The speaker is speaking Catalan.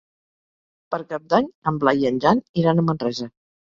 Per Cap d'Any en Blai i en Jan iran a Manresa.